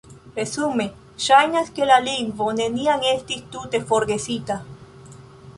Resume, ŝajnas, ke la lingvo neniam estis tute forgesita.